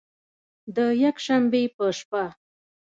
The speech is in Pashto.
د یکشنبې په شپه